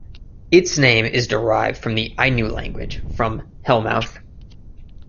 Its name is derived from the Ainu language, from "hellmouth".